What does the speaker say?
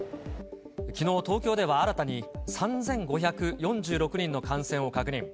きのう、東京では新たに３５４６人の感染を確認。